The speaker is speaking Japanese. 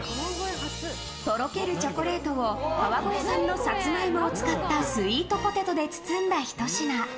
とろけるチョコレートを川越産のサツマイモを使ったスイートポテトで包んだひと品。